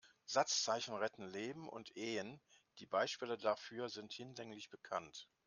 Satzzeichen retten Leben und Ehen, die Beispiele dafür sind hinlänglich bekannt.